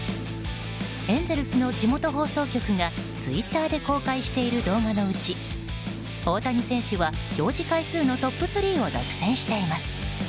エンゼルスの地元放送局がツイッターで公開している動画のうち大谷選手は表示回数のトップ３を独占しています。